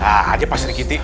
nah aja pak sri kiti